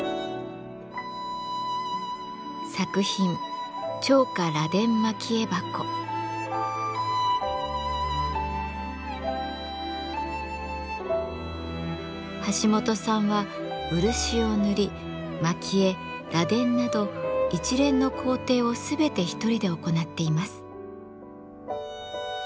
作品橋本さんは漆を塗り蒔絵螺鈿など一連の工程を全て一人で行っています。